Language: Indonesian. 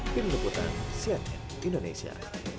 pemilu putang sihat indonesia